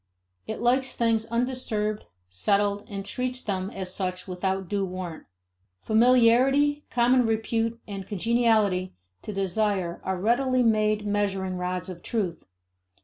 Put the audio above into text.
It likes things undisturbed, settled, and treats them as such without due warrant. Familiarity, common repute, and congeniality to desire are readily made measuring rods of truth.